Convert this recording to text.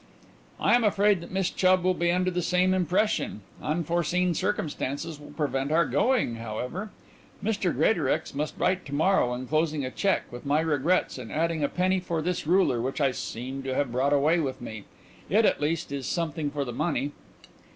"I am afraid that Miss Chubb will be under the same impression. Unforeseen circumstances will prevent our going, however. Mr Greatorex must write to morrow, enclosing a cheque, with my regrets, and adding a penny for this ruler which I seem to have brought away with me. It, at least, is something for the money."